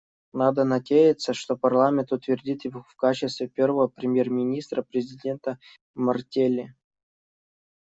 Надо надеяться, что парламент утвердит его в качестве первого премьер-министра президента Мартелли.